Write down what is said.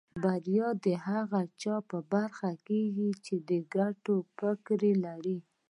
بريا د هغه چا په برخه کېږي چې د ګټلو فکر لري.